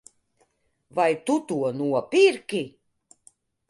Vai tu to nopirki?